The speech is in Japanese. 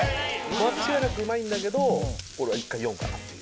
間違いなくうまいんだけどこれは一回４かなっていう。